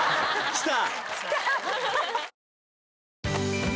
来た！